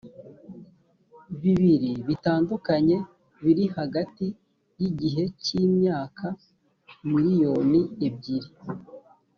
bibiri bitandukanye biri hagati y igihe k imyaka miriyoni ebyiri